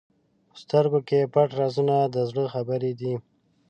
په سترګو کې پټ رازونه د زړه خبرې دي.